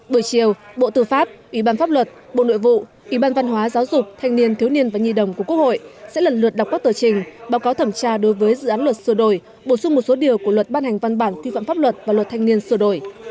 bữa chiều bộ tư pháp ủy ban pháp luật bộ nội vụ ủy ban văn hóa giáo dục thanh niên thiếu niên và nhi đồng của quốc hội sẽ lần lượt đọc các tờ trình báo cáo thẩm tra đối với dự án luật sửa đổi bổ sung một số điều của luật ban hành văn bản quy phạm pháp luật và luật thanh niên sửa đổi